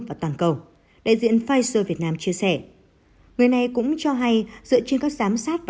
và toàn cầu đại diện pfizer việt nam chia sẻ người này cũng cho hay dựa trên các giám sát và